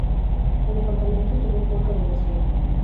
El Departamento tuvo corta duración.